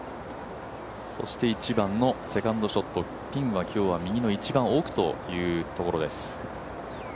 １番のセカンドショット、ピンは今日は右の一番奥というところです。